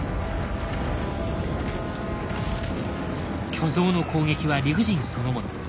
巨像の攻撃は理不尽そのもの。